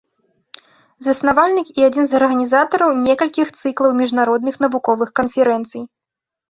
Заснавальнік і адзін з арганізатараў некалькіх цыклаў міжнародных навуковых канферэнцый.